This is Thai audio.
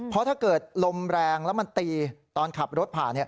เพราะถ้าเกิดลมแรงแล้วมันตีตอนขับรถผ่านเนี่ย